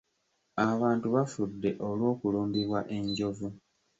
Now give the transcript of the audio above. Abantu bafudde olw'okulumbibwa enjovu.